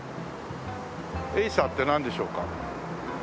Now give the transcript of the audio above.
エイサーってなんでしょうか？